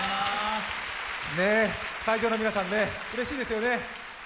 会場の皆さん、うれしいですよね。